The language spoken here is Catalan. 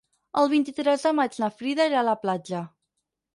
El vint-i-tres de maig na Frida irà a la platja.